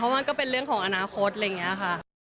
มันก็เป็นเรื่องของอนาคตอะไรอย่างนี้ค่ะ